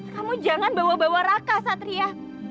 kamu jangan bawa bawa raka satria